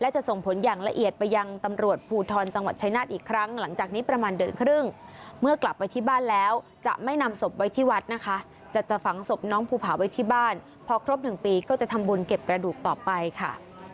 จะไม่นำศพไว้ที่วัดนะคะแต่จะฝังศพน้องภูผาไว้ที่บ้านพอครบ๑ปีก็จะทำบุญเก็บกระดูกต่อไปค่ะ